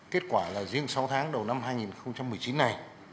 kết quả là riêng sáu tháng đầu năm hai nghìn một mươi chín này